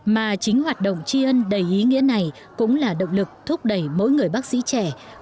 mà chính hoạt động tri ân đầy ý nghĩa này cũng là động lực thúc đẩy mỗi người bác sĩ trẻ không chỉ làm tốt nhiệm vụ chuyên môn